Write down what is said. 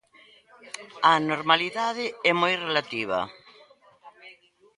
A normalidade é moi relativa.